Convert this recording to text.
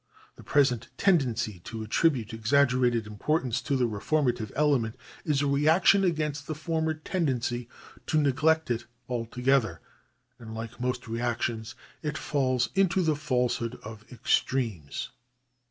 The present tendency to attribute exaggerated importance to the reformative element is a reaction against the former tendency to neglect it 78 THE ADMINISTRATION OF JUSTICE [§30 altogether, and like most reactions it falls into the falsehood of extremes.